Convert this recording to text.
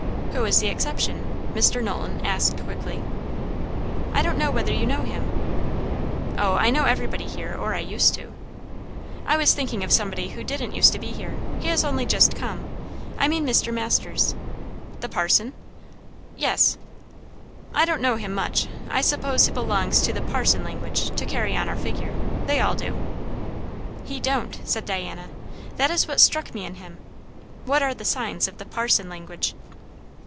"Who is the exception?" Mr. Knowlton asked quickly. "I don't know whether you know him." "O, I know everybody here or I used to." "I was thinking of somebody who didn't use to be here. He has only just come. I mean Mr. Masters." "The parson?" "Yes." "I don't know him much. I suppose he belongs to the parson language, to carry on our figure. They all do." "He don't," said Diana. "That is what struck me in him. What are the signs of the 'parson' language?"